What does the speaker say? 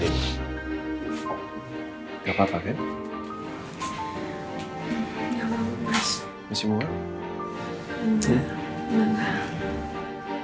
enggak papa mas masih mual enggak papa